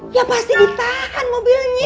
ya pasti ditahan mobilnya